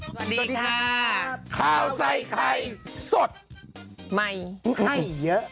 สวัสดีค่ะข้าวใส่ไข่สดใหม่ให้เยอะ